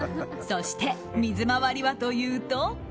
そして、水回りはというと。